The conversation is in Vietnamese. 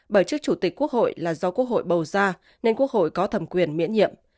bởi trước chủ tịch quốc hội là do quốc hội bầu ra nên quốc hội có thẩm quyền miễn nhiệm